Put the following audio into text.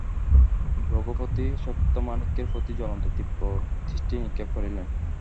রঘুপতি ছত্রমাণিক্যের প্রতি জ্বলন্ত তীব্র দৃষ্টি নিক্ষেপ করিলেন।